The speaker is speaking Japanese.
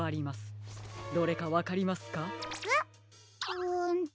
うんと。